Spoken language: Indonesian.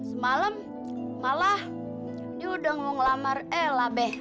semalam malah dia udah mau ngelamar ella be